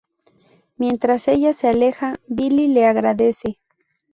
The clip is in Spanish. Mientras ella se aleja, Billy le agradece.